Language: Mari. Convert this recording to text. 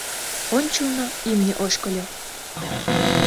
Ончылно имне ошкыльо.